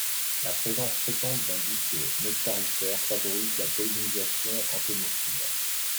La présence fréquente d'un disque nectarifère favorise la pollinisation entomophile.